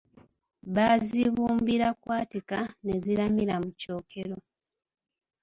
Baazibumbira kwatika, ne ziramira mu kyokero.